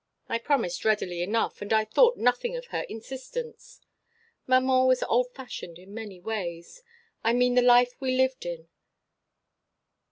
I promised readily enough, and I thought nothing of her insistence. Maman was old fashioned in many ways I mean the life we lived in.